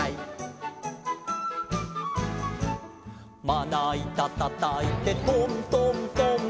「まないたたたいてトントントン」